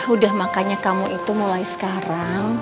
udah makanya kamu itu mulai sekarang